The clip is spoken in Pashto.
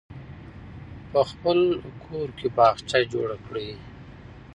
په خپل کور کې باغچه جوړه کړئ.